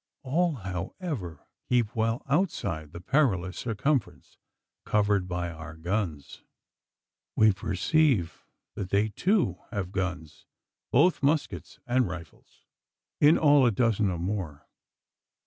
All, however, keep well outside the perilous circumference covered by our guns. We perceive that they, too, have guns, both muskets and rifles in all, a dozen or more!